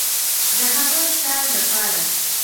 د هغه ښار لپاره